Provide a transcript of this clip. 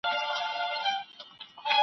څوک د طبیعي پېښو پر مهال اقدام کوي؟